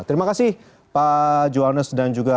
terima kasih pak johannes dan juga